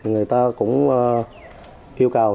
người ta cũng yêu cầu